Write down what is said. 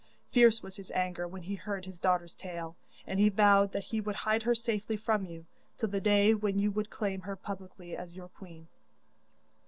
Fierce was his anger when he heard his daughter's tale, and he vowed that he would hide her safely from you, till the day when you would claim her publicly as your queen.